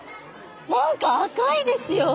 何か赤いですよ。